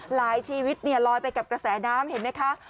ชีวิตลอยไปกับกระแสน้ำเห็นไหมคะ